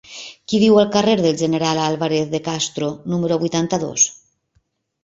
Qui viu al carrer del General Álvarez de Castro número vuitanta-dos?